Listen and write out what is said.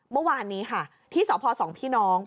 เมื่อวานนี้ค่ะที่สพสองพี่น้อง